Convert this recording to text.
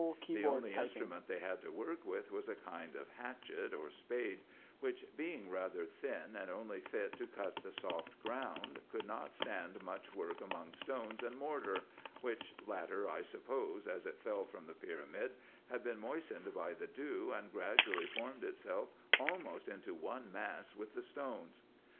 The only instrument they had to work with was a kind of hatchet or spade, which being rather thin, and only fit to cut the soft ground, could not stand much work among stones and mortar, which latter I suppose, as it fell from the pyramid, had been moistened by the dew *, and gradually formed itself almost into one mass with the stones.